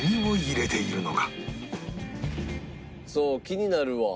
気になるわ。